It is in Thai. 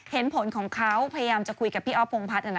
เห็นผลของเขาพยายามจะคุยกับพี่อ๊อพงพัฒน์